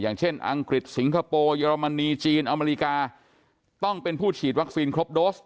อย่างเช่นอังกฤษสิงคโปร์เยอรมนีจีนอเมริกาต้องเป็นผู้ฉีดวัคซีนครบโดส